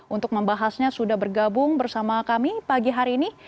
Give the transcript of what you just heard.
untuk membahasnya sudah bergabung bersama kami pagi hari ini